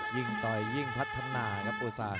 ยิ่งได้ยิ่งพัฒนาครับภูซาง